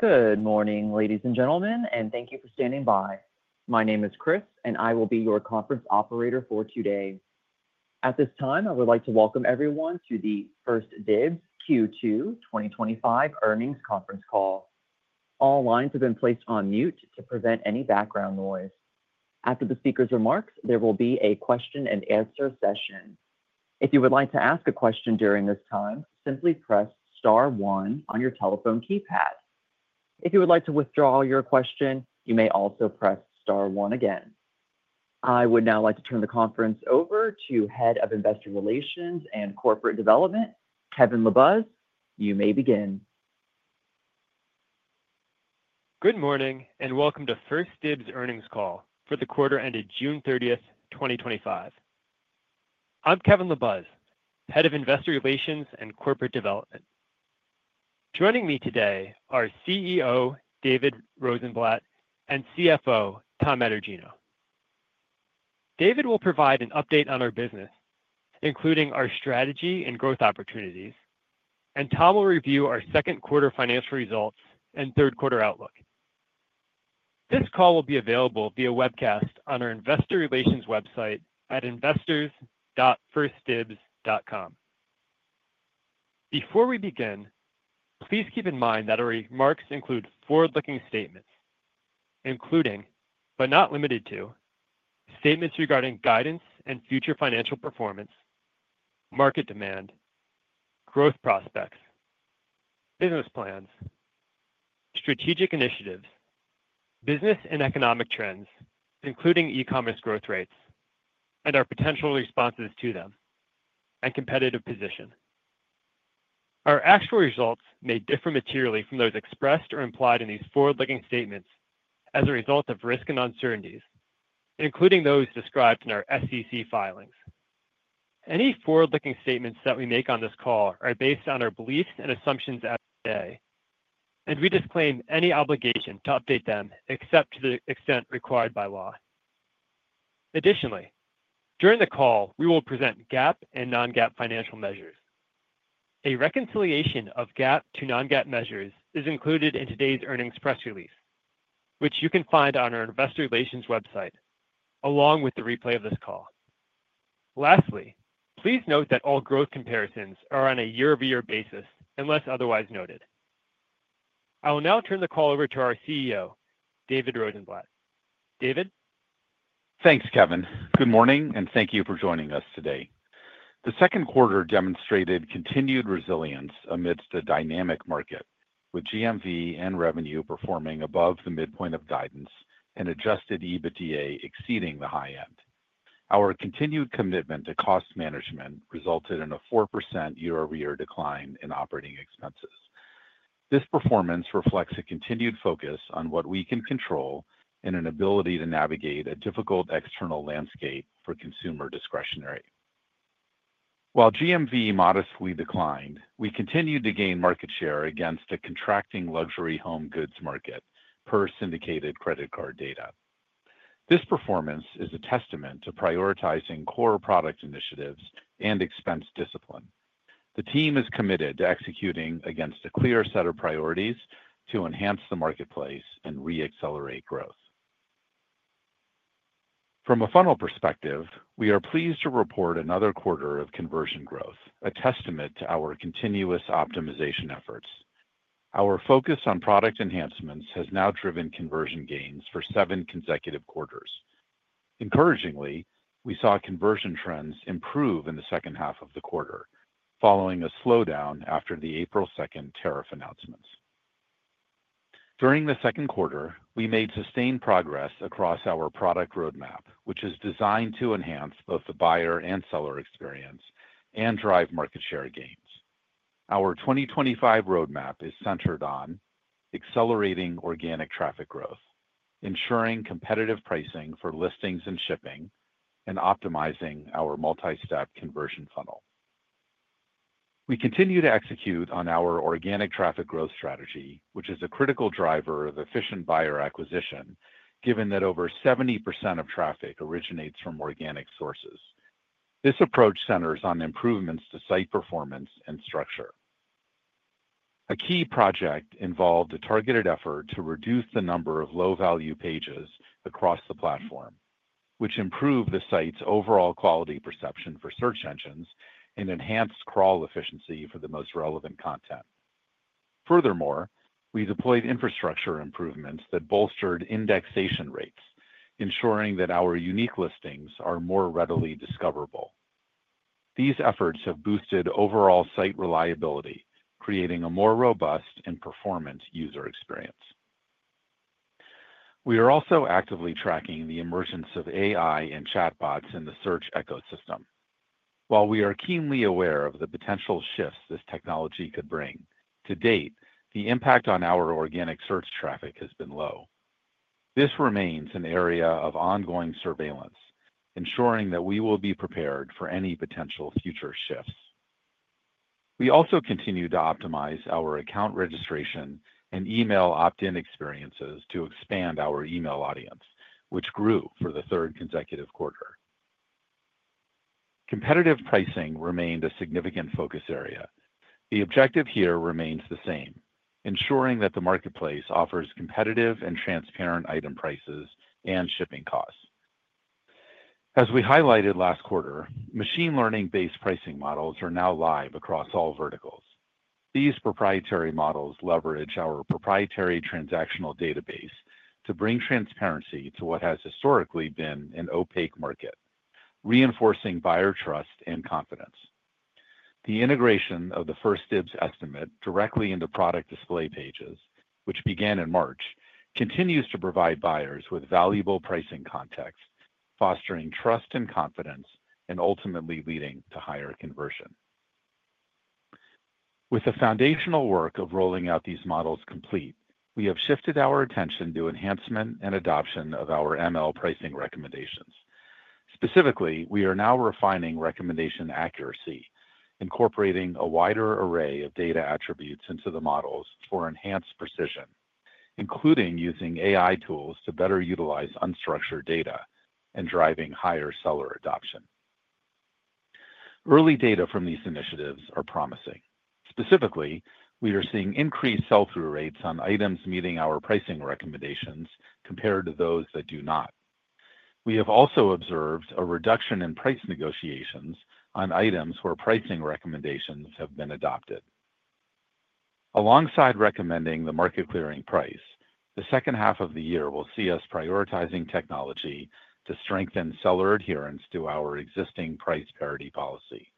Good morning, ladies and gentlemen, and thank you for standing by. My name is Chris, and I will be your conference operator for today. At this time, I would like to welcome everyone to the 1stDibs Q2 2025 Earnings Conference Call. All lines have been placed on mute to prevent any background noise. After the speaker's remarks, there will be a question-and-answer session. If you would like to ask a question during this time, simply press start one on your telephone keypad. If you would like to withdraw your question, you may also press star one again. I would now like to turn the conference over to Head of Investor Relations and Corporate Development, Kevin LaBuz. You may begin. Good morning and welcome to 1stdibs.com's earnings call for the quarter ended June 30th, 2025. I'm Kevin LaBuz, Head of Investor Relations and Corporate Development. Joining me today are CEO David Rosenblatt and CFO Tom Etergino. David will provide an update on our business, including our strategy and growth opportunities, and Tom will review our second quarter financial results and third quarter outlook. This call will be available via webcast on our Investor Relations website at investors.1stdibs.com. Before we begin, please keep in mind that our remarks include forward-looking statements, including, but not limited to, statements regarding guidance and future financial performance, market demand, growth prospects, business plans, strategic initiatives, business and economic trends, including e-commerce growth rates, and our potential responses to them, and competitive position. Our actual results may differ materially from those expressed or implied in these forward-looking statements as a result of risk and uncertainties, including those described in our SEC filings. Any forward-looking statements that we make on this call are based on our beliefs and assumptions as of today, and we disclaim any obligation to update them except to the extent required by law. Additionally, during the call, we will present GAAP and non-GAAP financial measures. A reconciliation of GAAP to non-GAAP measures is included in today's earnings press release, which you can find on our Investor Relations website, along with the replay of this call. Lastly, please note that all growth comparisons are on a year-over-year basis unless otherwise noted. I will now turn the call over to our CEO, David Rosenblatt. David? Thanks, Kevin. Good morning and thank you for joining us today. The second quarter demonstrated continued resilience amidst a dynamic market, with GMV and revenue performing above the midpoint of guidance and adjusted EBITDA exceeding the high-end. Our continued commitment to cost management resulted in a 4% year-over-year decline in operating expenses. This performance reflects a continued focus on what we can control and an ability to navigate a difficult external landscape for consumer discretionary. While GMV modestly declined, we continued to gain market share against the contracting luxury home goods market, per syndicated credit card data. This performance is a testament to prioritizing core product initiatives and expense discipline. The team is committed to executing against a clear set of priorities to enhance the marketplace and re-accelerate growth. From a funnel perspective, we are pleased to report another quarter of conversion growth, a testament to our continuous optimization efforts. Our focus on product enhancements has now driven conversion gains for seven consecutive quarters. Encouragingly, we saw conversion trends improve in the second half of the quarter, following a slowdown after the April 2nd tariff announcements. During the second quarter, we made sustained progress across our product roadmap, which is designed to enhance both the buyer and seller experience and drive market share gains. Our 2025 roadmap is centered on accelerating organic traffic growth, ensuring competitive pricing for listings and shipping, and optimizing our multi-step conversion funnel. We continue to execute on our organic traffic growth strategy, which is a critical driver of efficient buyer acquisition, given that over 70% of traffic originates from organic sources. This approach centers on improvements to site performance and structure. A key project involved a targeted effort to reduce the number of low-value pages across the platform, which improved the site's overall quality perception for search engines and enhanced crawl efficiency for the most relevant content. Furthermore, we deployed infrastructure improvements that bolstered indexation rates, ensuring that our unique listings are more readily discoverable. These efforts have boosted overall site reliability, creating a more robust and performant user experience. We are also actively tracking the emergence of AI and chatbots in the search ecosystem. While we are keenly aware of the potential shifts this technology could bring, to date, the impact on our organic search traffic has been low. This remains an area of ongoing surveillance, ensuring that we will be prepared for any potential future shifts. We also continue to optimize our account registration and email opt-in experiences to expand our email audience, which grew for the third consecutive quarter. Competitive pricing remained a significant focus area. The objective here remains the same, ensuring that the marketplace offers competitive and transparent item prices and shipping costs. As we highlighted last quarter, machine learning-based pricing models are now live across all verticals. These proprietary models leverage our proprietary transactional database to bring transparency to what has historically been an opaque market, reinforcing buyer trust and confidence. The integration of the 1stDibs estimate directly into product display pages, which began in March, continues to provide buyers with valuable pricing context, fostering trust and confidence, and ultimately leading to higher conversion. With the foundational work of rolling out these models complete, we have shifted our attention to enhancement and adoption of our ML pricing recommendations. Specifically, we are now refining recommendation accuracy, incorporating a wider array of data attributes into the models for enhanced precision, including using AI tools to better utilize unstructured data and driving higher seller adoption. Early data from these initiatives are promising. Specifically, we are seeing increased sell-through rates on items meeting our pricing recommendations compared to those that do not. We have also observed a reduction in price negotiations on items where pricing recommendations have been adopted. Alongside recommending the market-clearing price, the second half of the year will see us prioritizing technology to strengthen seller adherence to our existing price parity policy.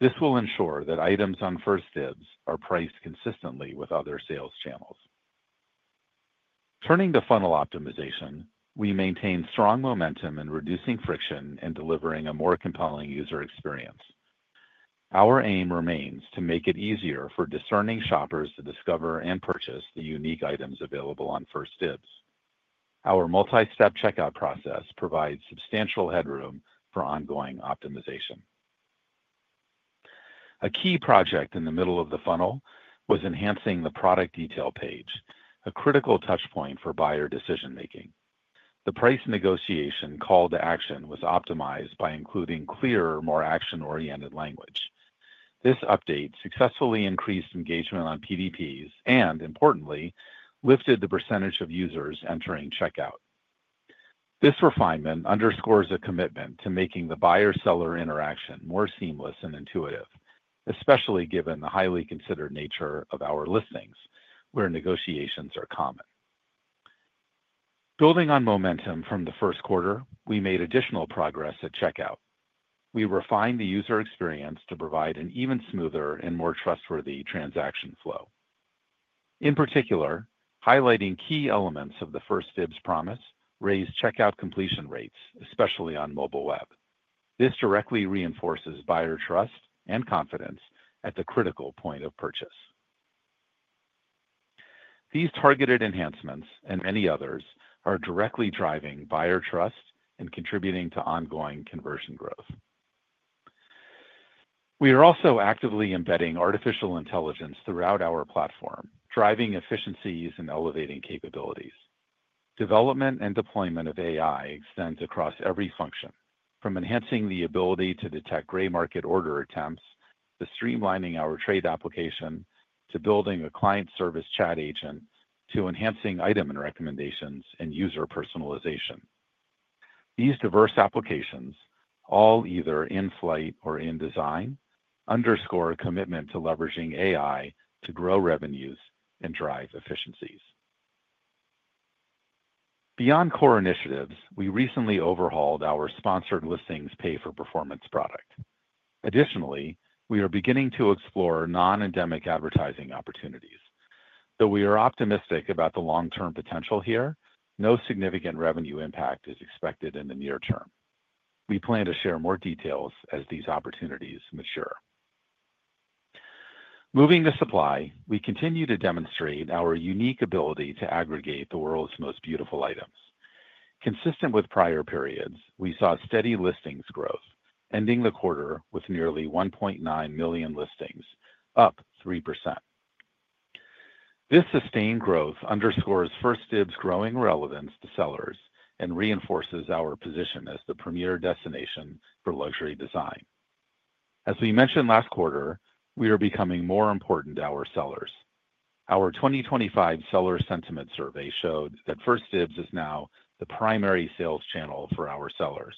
This will ensure that items on 1stDibs are priced consistently with other sales channels. Turning to funnel optimization, we maintain strong momentum in reducing friction and delivering a more compelling user experience. Our aim remains to make it easier for discerning shoppers to discover and purchase the unique items available on 1stDibs. Our multi-step checkout process provides substantial headroom for ongoing optimization. A key project in the middle of the funnel was enhancing the product detail page, a critical touchpoint for buyer decision-making. The price negotiation call to action was optimized by including clearer, more action-oriented language. This update successfully increased engagement on PDPs and, importantly, lifted the percentage of users entering checkout. This refinement underscores a commitment to making the buyer-seller interaction more seamless and intuitive, especially given the highly considered nature of our listings, where negotiations are common. Building on momentum from the first quarter, we made additional progress at checkout. We refined the user experience to provide an even smoother and more trustworthy transaction flow. In particular, highlighting key elements of the 1stDibs promise raised checkout completion rates, especially on mobile web. This directly reinforces buyer trust and confidence at the critical point of purchase. These targeted enhancements and many others are directly driving buyer trust and contributing to ongoing conversion growth. We are also actively embedding artificial intelligence throughout our platform, driving efficiencies and elevating capabilities. Development and deployment of AI extend across every function, from enhancing the ability to detect gray market order attempts to streamlining our trade application, to building a customer service chat agent, to enhancing item and recommendations and user personalization. These diverse applications, all either in-flight or in-design, underscore a commitment to leveraging AI to grow revenues and drive efficiencies. Beyond core initiatives, we recently overhauled our sponsored listings pay-for-performance product. Additionally, we are beginning to explore non-endemic advertising opportunities. Though we are optimistic about the long-term potential here, no significant revenue impact is expected in the near term. We plan to share more details as these opportunities mature. Moving to supply, we continue to demonstrate our unique ability to aggregate the world's most beautiful items. Consistent with prior periods, we saw steady listings growth, ending the quarter with nearly 1.9 million listings, up 3%. This sustained growth underscores 1stDibs' growing relevance to sellers and reinforces our position as the premier destination for luxury design. As we mentioned last quarter, we are becoming more important to our sellers. Our 2025 seller sentiment survey showed that 1stDibs is now the primary sales channel for our sellers,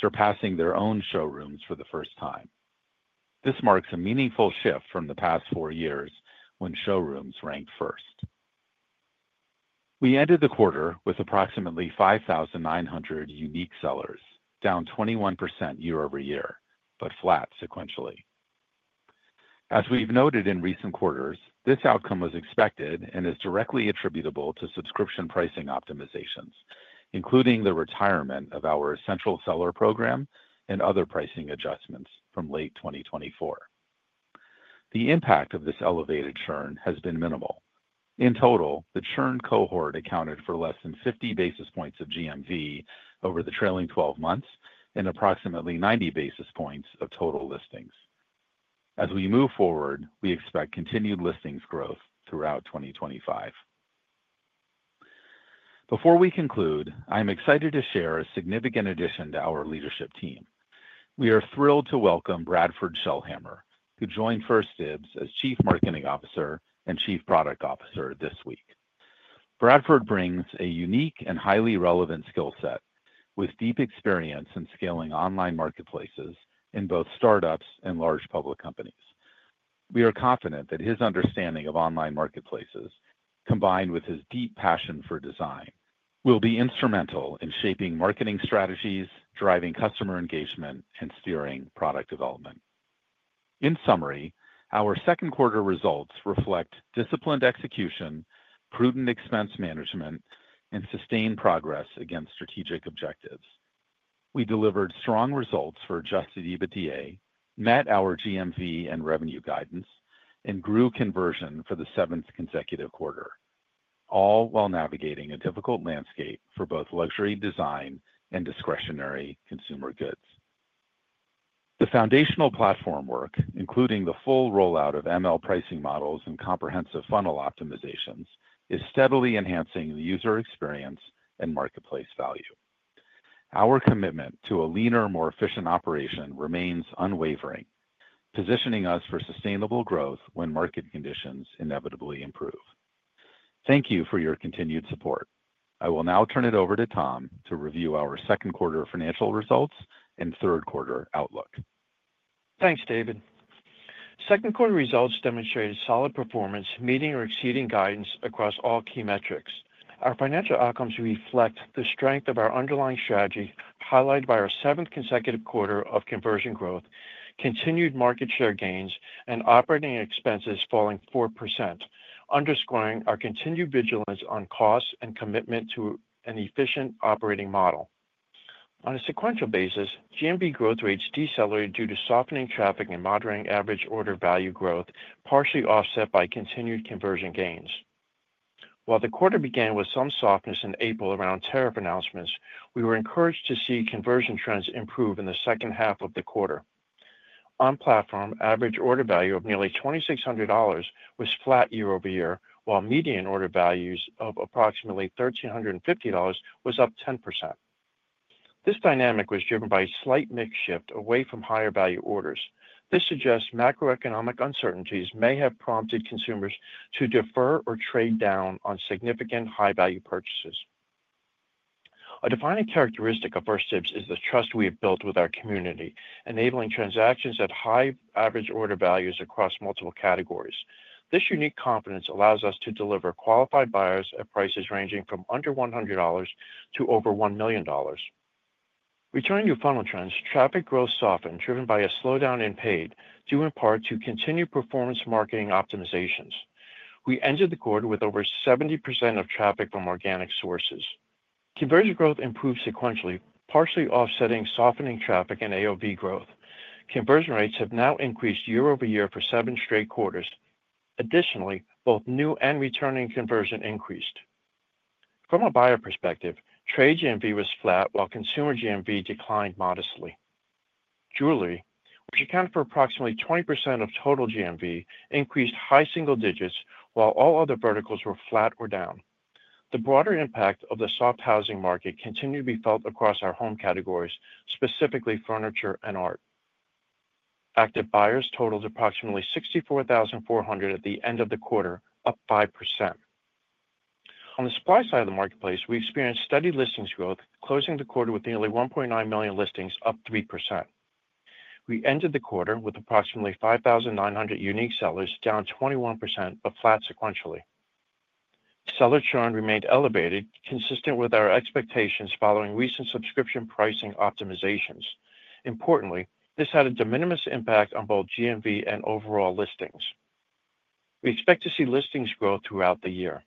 surpassing their own showrooms for the first time. This marks a meaningful shift from the past four years when showrooms ranked first. We ended the quarter with approximately 5,900 unique sellers, down 21% year-over-year, but flat sequentially. As we've noted in recent quarters, this outcome was expected and is directly attributable to subscription pricing optimizations, including the retirement of our essential seller program and other pricing adjustments from late 2024. The impact of this elevated churn has been minimal. In total, the churn cohort accounted for less than 50 basis points of GMV over the trailing 12 months and approximately 90 basis points of total listings. As we move forward, we expect continued listings growth throughout 2025. Before we conclude, I'm excited to share a significant addition to our leadership team. We are thrilled to welcome Bradford Shellhammer, who joined 1stDibs as Chief Marketing Officer and Chief Product Officer this week. Bradford brings a unique and highly relevant skill set, with deep experience in scaling online marketplaces in both startups and large public companies. We are confident that his understanding of online marketplaces, combined with his deep passion for design, will be instrumental in shaping marketing strategies, driving customer engagement, and steering product development. In summary, our second quarter results reflect disciplined execution, prudent expense management, and sustained progress against strategic objectives. We delivered strong results for adjusted EBITDA, met our GMV and revenue guidance, and grew conversion for the seventh consecutive quarter, all while navigating a difficult landscape for both luxury design and discretionary consumer goods. The foundational platform work, including the full rollout of machine learning-based pricing models and comprehensive funnel optimizations, is steadily enhancing the user experience and marketplace value. Our commitment to a leaner, more efficient operation remains unwavering, positioning us for sustainable growth when market conditions inevitably improve. Thank you for your continued support. I will now turn it over to Tom to review our second quarter financial results and third quarter outlook. Thanks, David. Second quarter results demonstrated solid performance, meeting or exceeding guidance across all key metrics. Our financial outcomes reflect the strength of our underlying strategy, highlighted by our seventh consecutive quarter of conversion growth, continued market share gains, and operating expenses falling 4%, underscoring our continued vigilance on cost and commitment to an efficient operating model. On a sequential basis, GMV growth rates decelerated due to softening traffic and moderating average order value growth, partially offset by continued conversion gains. While the quarter began with some softness in April around tariff announcements, we were encouraged to see conversion trends improve in the second half of the quarter. On platform, average order value of nearly $2,600 was flat year-over-year, while median order values of approximately $1,350 was up 10%. This dynamic was driven by a slight mix shift away from higher value orders. This suggests macroeconomic uncertainties may have prompted consumers to defer or trade down on significant high-value purchases. A defining characteristic of 1stDibs is the trust we have built with our community, enabling transactions at high average order values across multiple categories. This unique confidence allows us to deliver qualified buyers at prices ranging from under $100 to over $1 million. Returning to funnel trends, traffic growth softened, driven by a slowdown in paid, due in part to continued performance marketing optimizations. We ended the quarter with over 70% of traffic from organic sources. Conversion growth improved sequentially, partially offsetting softening traffic and AOV growth. Conversion rates have now increased year-over-year for seven straight quarters. Additionally, both new and returning conversion increased. From a buyer perspective, trade GMV was flat, while consumer GMV declined modestly. Jewelry, which accounted for approximately 20% of total GMV, increased high single digits, while all other verticals were flat or down. The broader impact of the soft housing market continued to be felt across our home categories, specifically furniture and art. Active buyers totaled approximately 64,400 at the end of the quarter, up 5%. On the supply side of the marketplace, we experienced steady listings growth, closing the quarter with nearly 1.9 million listings, up 3%. We ended the quarter with approximately 5,900 unique sellers, down 21%, but flat sequentially. Seller churn remained elevated, consistent with our expectations following recent subscription pricing optimizations. Importantly, this had a de minimis impact on both GMV and overall listings. We expect to see listings grow throughout the year.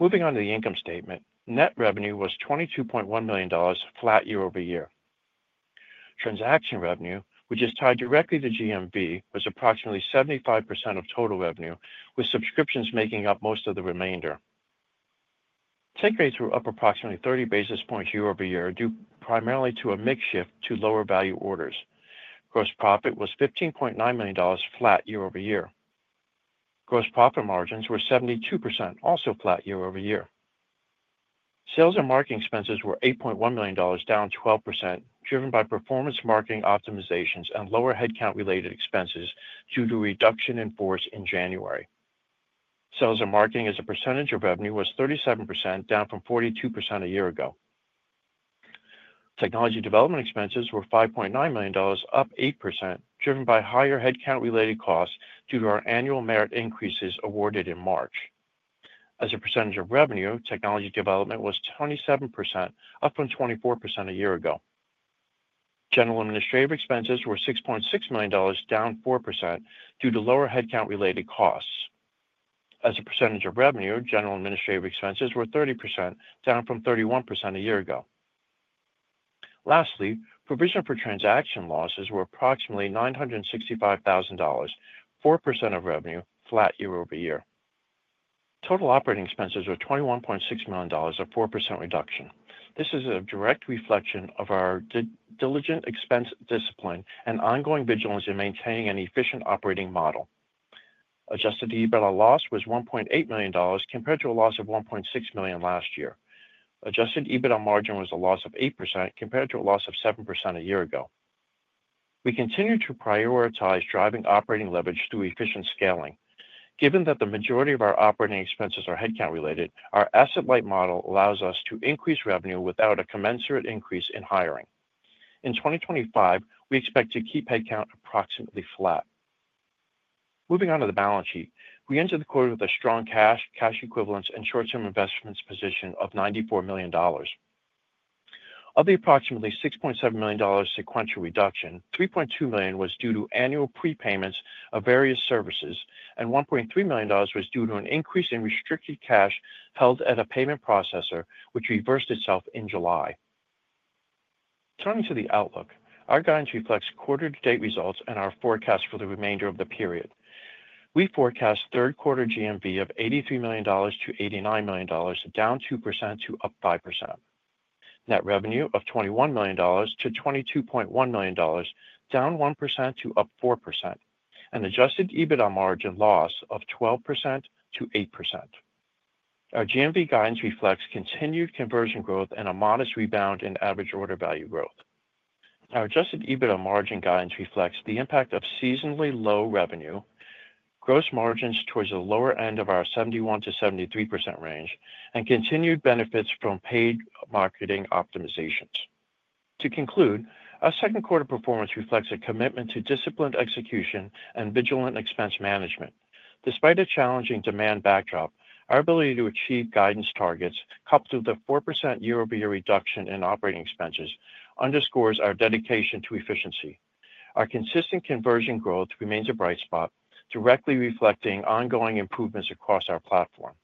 Moving on to the income statement, net revenue was $22.1 million, flat year-over-year. Transaction revenue, which is tied directly to GMV, was approximately 75% of total revenue, with subscriptions making up most of the remainder. Take rates were up approximately 30 basis points year-over-year, due primarily to a mix shift to lower value orders. Gross profit was $15.9 million, flat year-over-year. Gross profit margins were 72%, also flat year-over-year. Sales and marketing expenses were $8.1 million, down 12%, driven by performance marketing optimizations and lower headcount-related expenses due to a reduction in force in January. Sales and marketing, as a percentage of revenue, was 37%, down from 42% a year ago. Technology development expenses were $5.9 million, up 8%, driven by higher headcount-related costs due to our annual merit increases awarded in March. As a percentage of revenue, technology development was 27%, up from 24% a year ago. General administrative expenses were $6.6 million, down 4%, due to lower headcount-related costs. As a percentage of revenue, general administrative expenses were 30%, down from 31% a year ago. Lastly, provision for transaction losses were approximately $965,000, 4% of revenue, flat year-over-year. Total operating expenses were $21.6 million, a 4% reduction. This is a direct reflection of our diligent expense discipline and ongoing vigilance in maintaining an efficient operating model. Adjusted EBITDA loss was $1.8 million compared to a loss of $1.6 million last year. Adjusted EBITDA margin was a loss of 8% compared to a loss of 7% a year ago. We continue to prioritize driving operating leverage through efficient scaling. Given that the majority of our operating expenses are headcount-related, our asset-light model allows us to increase revenue without a commensurate increase in hiring. In 2025, we expect to keep headcount approximately flat. Moving on to the balance sheet, we entered the quarter with a strong cash, cash equivalents, and short-term investments position of $94 million. Of the approximately $6.7 million sequential reduction, $3.2 million was due to annual prepayments of various services, and $1.3 million was due to an increase in restricted cash held at a payment processor, which reversed itself in July. Turning to the outlook, our guidance reflects quarter-to-date results and our forecast for the remainder of the period. We forecast third quarter GMV of $83 million-$89 million, down 2% to up 5%. Net revenue of $21 million-$22.1 million, down 1% to up 4%, and adjusted EBITDA margin loss of 12%-8%. Our GMV guidance reflects continued conversion growth and a modest rebound in average order value growth. Our adjusted EBITDA margin guidance reflects the impact of seasonally low revenue, gross margins towards the lower end of our 71% to 73% range, and continued benefits from paid marketing optimizations. To conclude, our second quarter performance reflects a commitment to disciplined execution and vigilant expense management. Despite a challenging demand backdrop, our ability to achieve guidance targets, coupled with a 4% year-over-year reduction in operating expenses, underscores our dedication to efficiency. Our consistent conversion growth remains a bright spot, directly reflecting ongoing improvements across our platform.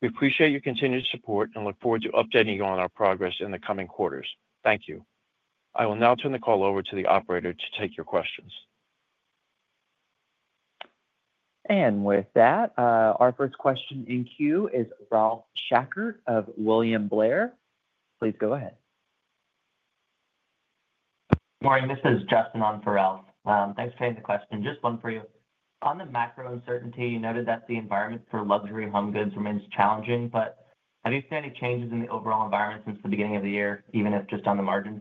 We appreciate your continued support and look forward to updating you on our progress in the coming quarters. Thank you. I will now turn the call over to the operator to take your questions. Our first question in queue is Ralph Schackart of William Blair. Please go ahead. Morning. This is Justin on for Ralph. Thanks for the question. Just one for you. On the macro uncertainty, you noted that the environment for luxury home goods remains challenging, but have you seen any changes in the overall environment since the beginning of the year, even if just on the margin?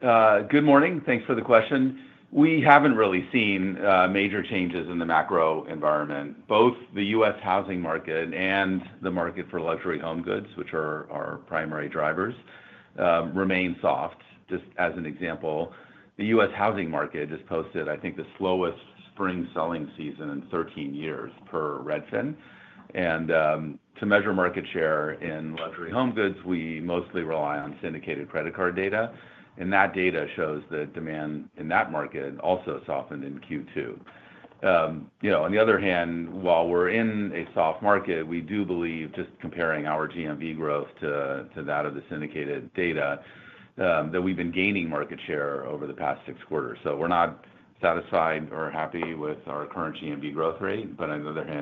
Good morning. Thanks for the question. We haven't really seen major changes in the macro environment. Both the U.S. housing market and the market for luxury home goods, which are our primary drivers, remain soft. Just as an example, the U.S. housing market has posted, I think, the slowest spring selling season in 13 years per Redfin. To measure market share in luxury home goods, we mostly rely on syndicated credit card data. That data shows that demand in that market also softened in Q2. On the other hand, while we're in a soft market, we do believe, just comparing our GMV growth to that of the syndicated data, that we've been gaining market share over the past six quarters. We're not satisfied or happy with our current GMV growth rate, but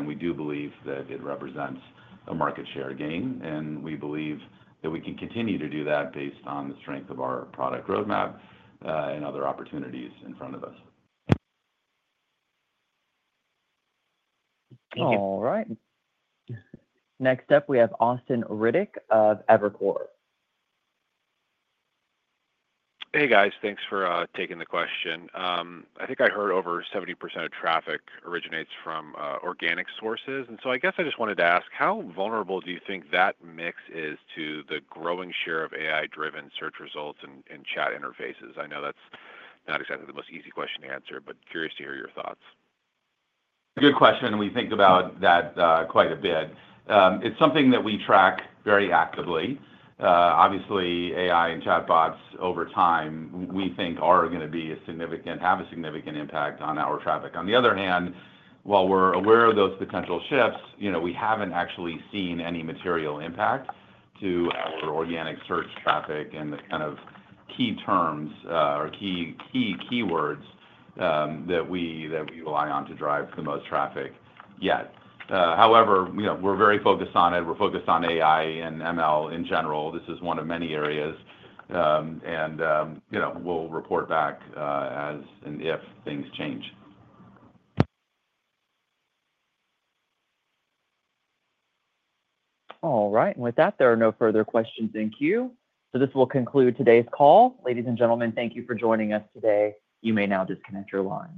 we do believe that it represents a market share gain, and we believe that we can continue to do that based on the strength of our product roadmap and other opportunities in front of us. All right. Next up, we have Austin Riddick of Evercore. Hey, guys. Thanks for taking the question. I think I heard over 70% of traffic originates from organic sources, and I just wanted to ask, how vulnerable do you think that mix is to the growing share of AI-driven search results and chat interfaces? I know that's not exactly the most easy question to answer, but curious to hear your thoughts. Good question. We think about that quite a bit. It's something that we track very actively. Obviously, AI and chatbots over time, we think, are going to have a significant impact on our traffic. On the other hand, while we're aware of those potential shifts, we haven't actually seen any material impact to organic search traffic and the kind of key terms or key keywords that we rely on to drive the most traffic yet. However, we're very focused on it. We're focused on AI and ML in general. This is one of many areas, and we'll report back as and if things change. All right. With that, there are no further questions in queue. This will conclude today's call. Ladies and gentlemen, thank you for joining us today. You may now disconnect your line.